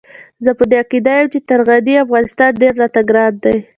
زه په دې عقيده يم چې تر غني افغانستان ډېر راته ګران دی.